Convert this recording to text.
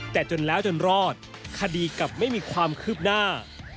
แต่จนแล้วจนรอดคดีกลับไม่มีความคืบหน้า